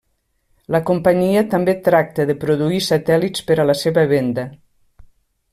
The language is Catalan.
La companyia també tracta de produir satèl·lits per a la seva venda.